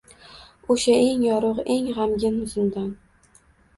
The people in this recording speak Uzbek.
O’sha eng yorug’ eng g’amgin zindon